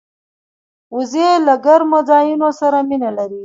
وزې له ګرمو ځایونو سره مینه لري